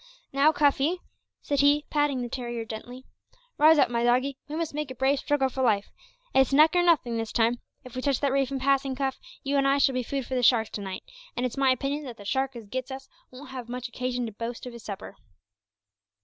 "Now, Cuffy," said he, patting the terrier gently, "rouse up, my doggie; we must make a brave struggle for life. It's neck or nothing this time. If we touch that reef in passing, Cuff, you an' I shall be food for the sharks to night, an' it's my opinion that the shark as gits us won't have much occasion to boast of his supper."